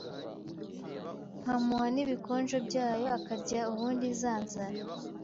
nkamuh n’ibikonjo byayo akarya ubundi za nzara